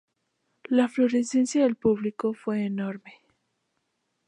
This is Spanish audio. La afluencia de público fue enorme.